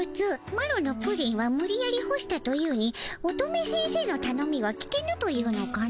マロのプリンはむりやり干したというに乙女先生のたのみは聞けぬと言うのかの？